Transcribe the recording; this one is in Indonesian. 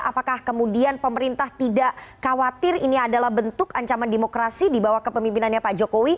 apakah kemudian pemerintah tidak khawatir ini adalah bentuk ancaman demokrasi di bawah kepemimpinannya pak jokowi